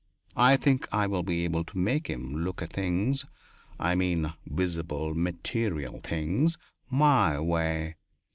I think I will be able to make him look at things I mean visible, material things my way.